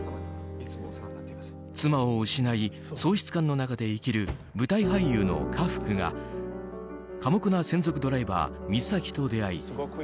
妻を失い、喪失感の中で生きる舞台俳優の家福が寡黙な専属ドライバーみさきと出会い